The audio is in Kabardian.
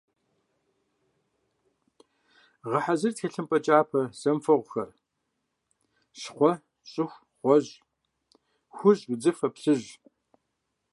Гъэхьэзыр тхылъымпӀэ кӀапэ зэмыфэгъухэр: щхъуэ, щӀыху, гъуэжь, хужь, удзыфэ, плъыжь.